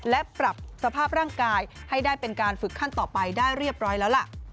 และปรับสภาพร่างกายให้ได้เป็นการฝึกขั้นต่อไปได้เรียบร้อยแล้วล่ะ